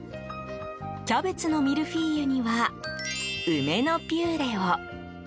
キャベツのミルフィーユには梅のピューレを。